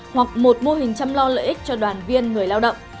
hoặc một mô hình chăm lo lợi ích cho đoàn viên người lao động